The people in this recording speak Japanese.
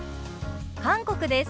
韓国です。